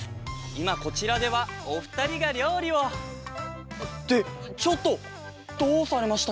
いまこちらではおふたりがりょうりをってちょっとどうされましたか？